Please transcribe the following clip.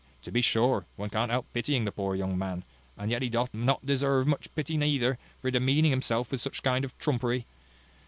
To be sure, one can't help pitying the poor young man, and yet he doth not deserve much pity neither, for demeaning himself with such kind of trumpery.